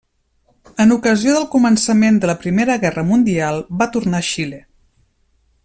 En ocasió del començament de la Primera Guerra Mundial va tornar a Xile.